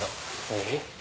えっ？